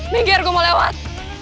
minggir gue mau lewat